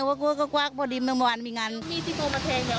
เมื่อกมันก็ปลอดภัยเท่านั้นผ่านปีงมามีงาน